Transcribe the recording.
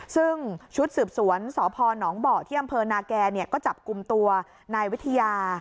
ซึ่งชุดสืบสวนสพนเบาะที่อำเภอนาแก่ก็จับกลุ่มตัวนายวิทยา